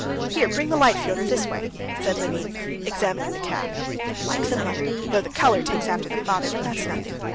"Here, bring the light, Fyodor, this way," said Levin, examining the calf. "Like the mother! though the color takes after the father; but that's nothing.